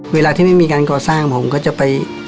เวลาที่ไม่มีการก่อสร้างผมก็จะไป